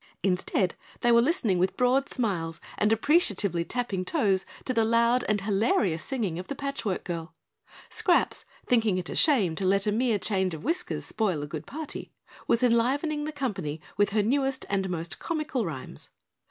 Instead, they were listening with broad smiles and appreciatively tapping toes to the loud and hilarious singing of the Patch Work Girl. Scraps, thinking it a shame to let a mere change of whiskers spoil a good party, was enlivening the company with her newest and most comical rhymes.